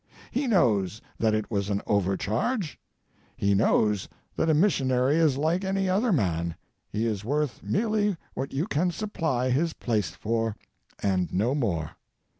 He knows that it was an overcharge. He knows that a missionary is like any other man : he is worth merely what you can supply his place for, and no more.